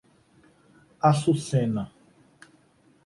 Açucena